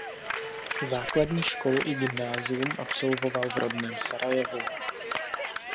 Základní školu i gymnázium absolvoval v rodném Sarajevu.